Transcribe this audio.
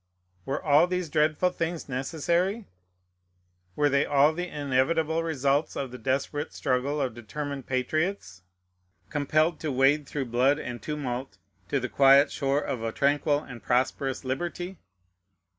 Were all these dreadful things necessary? Were they the inevitable results of the desperate struggle of determined patriots, compelled to wade through blood and tumult to the quiet shore of a tranquil and prosperous liberty?